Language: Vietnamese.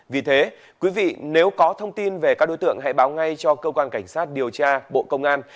vì thế quý vị nếu có thông tin về các đối tượng hãy báo ngay cho cơ quan cảnh sát điều tra bộ công an